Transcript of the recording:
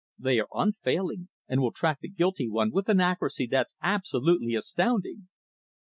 They are unfailing, and will track the guilty one with an accuracy that's absolutely astounding."